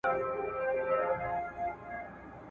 هغوی به نور د خلکو پېغورونو ته غوږ نه نيسي.